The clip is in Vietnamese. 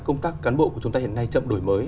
công tác cán bộ của chúng ta hiện nay chậm đổi mới